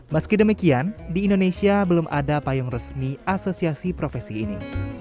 meski demikian di indonesia belum ada payung resmi asosiasi profesi ini